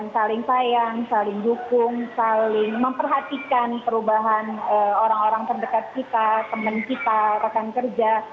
saling sayang saling dukung saling memperhatikan perubahan orang orang terdekat kita teman kita rekan kerja